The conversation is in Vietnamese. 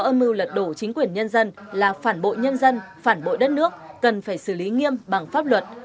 đối với những kẻ khủng bố có âm mưu lật đổ chính quyền nhân dân là phản bội nhân dân phản bội đất nước cần phải xử lý nghiêm bằng pháp luật